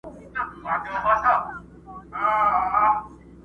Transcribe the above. تر ټولو قوي شهادت پاته کيږي،